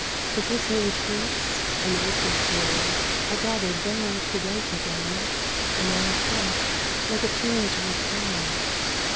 ... For glistening fruits and Ophir's gold Are gathered there to wake again In our flesh, like a tune's refrain."